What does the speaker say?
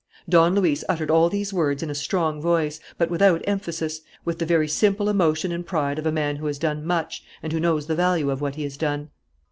'" Don Luis uttered all these words in a strong voice, but without emphasis, with the very simple emotion and pride of a man who has done much and who knows the value of what he has done.